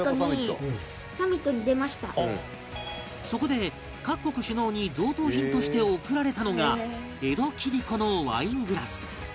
そこで各国首脳に贈答品として贈られたのが江戸切子のワイングラス